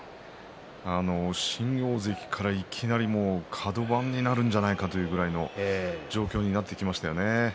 新大関から、いきなりカド番になるんじゃないかというぐらいの状況になってきましたよね。